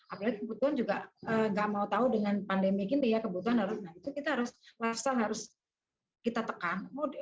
apalagi kebutuhan juga nggak mau tahu dengan pandemi gini ya kebutuhan harus nah itu kita harus lifestyle harus kita tekan